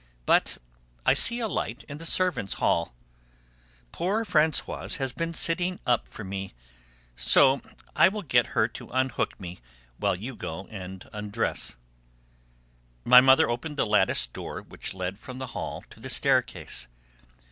But I see a light in the servants' hall: poor Françoise has been sitting up for me, so I will get her to unhook me while you go and undress." My mother opened the latticed door which led from the hall to the staircase.